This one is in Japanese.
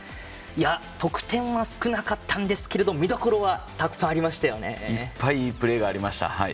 得点は少なかったんですけれど見どころはいっぱいいいプレーがありました。